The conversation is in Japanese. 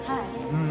うん。